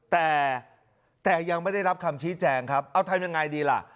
แต่แต่ยังไม่ได้รับคำชี้แจงครับเอาทำยังไงดีล่ะ